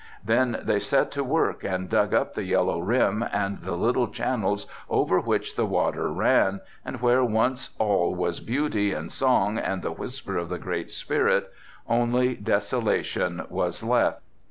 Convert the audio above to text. Then they set to work and dug up the yellow rim and the little channels over which the water ran, and, where once all was beauty and song and the whisper of the Great Spirit, only desolation was left.